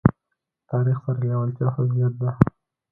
تاریخ سره لېوالتیا فضیلت ده.